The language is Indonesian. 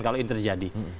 kalau ini terjadi